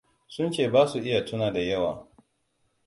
Sun ce ba su iya tuna da yawa.